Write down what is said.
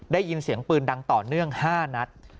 ได้ยินเสียงปืนดังต่อเนื่อง๕นัด